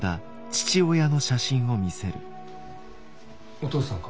お父さんか？